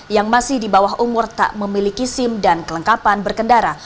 yang masih di bawah umur tak memiliki sim dan kelengkapan berkendara